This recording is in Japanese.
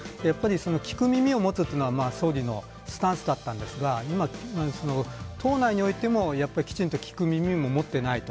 聞く耳を持つというのが総理のスタンスだったんですが今、党内においてもきちんと聞く耳を持ってないと。